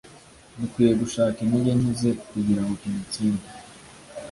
Dukwiye gushaka intege nke ze kugira ngo tumutsinde